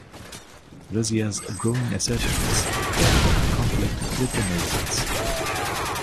Razia's growing assertiveness brought her in conflict with the nobles.